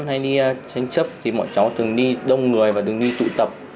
hay đi tranh chấp thì mọi chó thường đi đông người và đứng đi tụ tập